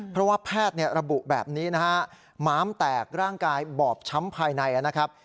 เพราะว่าแพทย์ระบุแบบนี้นะฮะม้ามแตกร่างกายบอบช้ำภายในนะครับ